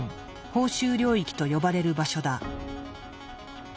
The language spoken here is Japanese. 「報酬領域」と呼ばれる場所だ。